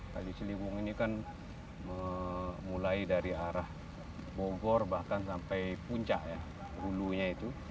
kali ciliwung ini kan mulai dari arah bogor bahkan sampai puncak ya hulunya itu